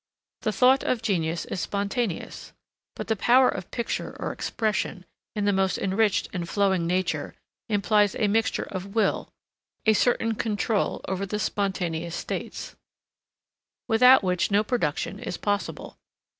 The thought of genius is spontaneous; but the power of picture or expression, in the most enriched and flowing nature, implies a mixture of will, a certain control over the spontaneous states, without which no production is possible.